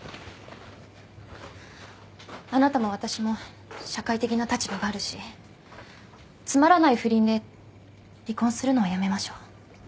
あなたも私も社会的な立場があるしつまらない不倫で離婚するのはやめましょう。